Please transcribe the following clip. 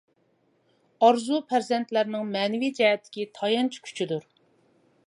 ئارزۇ پەرزەنتلەرنىڭ مەنىۋى جەھەتتىكى تايانچ كۈچىدۇر.